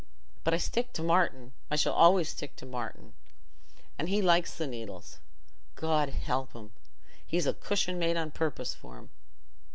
But I stick to Martin—I shall always stick to Martin. And he likes the needles, God help him! He's a cushion made on purpose for 'em."